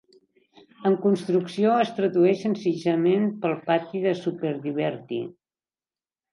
'En construcció' es tradueix senzillament per 'pati superdivertit'.